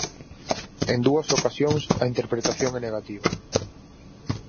En dúas ocasións a interpretación é negativa.